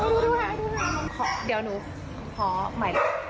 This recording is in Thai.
เดี๋ยวหนูขอใหม่